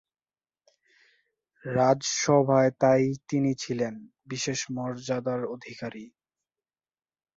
রাজসভায় তাই তিনি ছিলেন বিশেষ মর্যাদার অধিকারী।